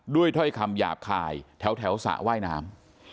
ถ้อยคำหยาบคายแถวสระว่ายน้ำ